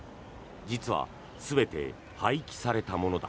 実は全て廃棄されたものだ。